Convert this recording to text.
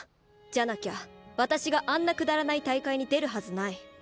じゃなきゃ私があんなくだらない大会に出るはずない。